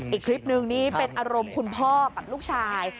อีกคลิปนึงนี่เป็นอารมณ์คุณพ่อกับลูกชาย